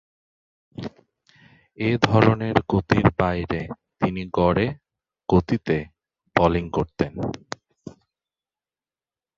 এ ধরনের গতির বাইরে তিনি গড়ে গতিতে বোলিং করতেন।